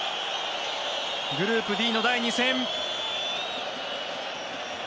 グループＤの第２戦。